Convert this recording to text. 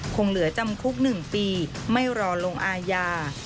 คงเหลือจำคุก๑ปีไม่รอลงอาญา